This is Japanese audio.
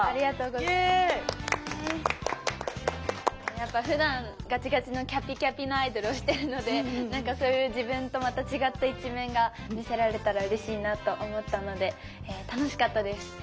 やっぱふだんガチガチのキャピキャピのアイドルをしてるのでなんかそういう自分とまた違った一面が見せられたらうれしいなと思ったので楽しかったです。ね。